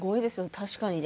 確かにね。